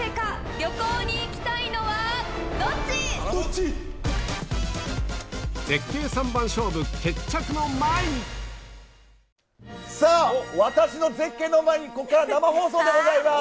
旅行に行きたいのはどっち⁉どっち⁉さあ、私の絶景の前に、ここから生放送でございます。